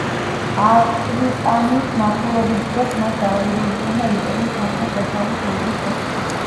აკვიტანიის მმართველობის დროს მას დავალებული ჰქონდა იმპერიის სამხრეთ-დასავლეთ საზღვრის დაცვა.